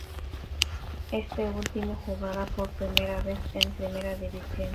Este último jugará por primera vez en Primera División.